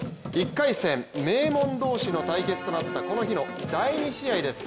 １回戦、名門同士の対決となったこの日の第２試合です。